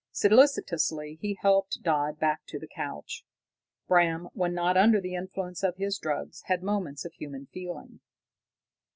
Solicitously he helped Dodd back to the couch. Bram, when not under the influence of his drug, had moments of human feeling.